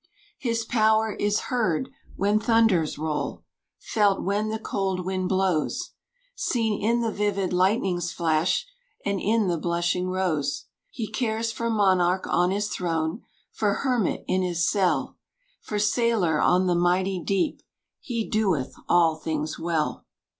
His power is heard when thunders roll, Felt when the cold wind blows, Seen in the vivid lightning's flash, And in the blushing rose. He cares for monarch on his throne, For hermit in his cell, For sailor on the mighty deep "He doeth all things well."